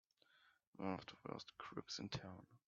One of the worst crooks in town!